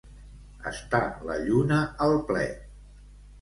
Estar la lluna al ple.